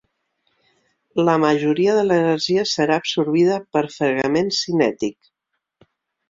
La majoria de l'energia serà absorbida per fregament cinètic.